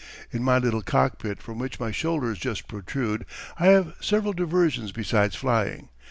_] In my little cockpit from which my shoulders just protrude I have several diversions besides flying.